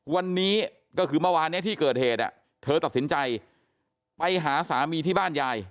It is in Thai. วันนี้ก็คือเมื่อวานนี้ที่เกิดเหตุเธอตัดสินใจไปหาสามีที่บ้านยาย